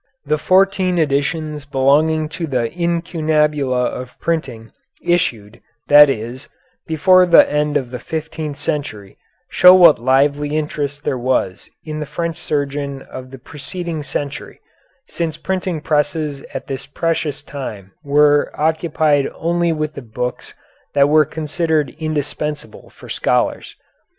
The fourteen editions belonging to the incunabula of printing, issued, that is, before the end of the fifteenth century, show what lively interest there was in the French surgeon of the preceding century, since printing presses at this precious time were occupied only with the books that were considered indispensable for scholars.